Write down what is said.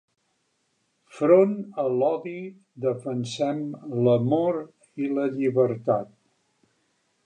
Front a l’odi, defensem l’amor a la llibertat